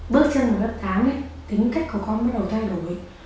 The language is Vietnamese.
bước chân vào lớp tháng tính cách của con bắt đầu thay đổi